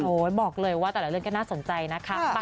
บอกเลยว่าแต่ละเรื่องก็น่าสนใจนะคะ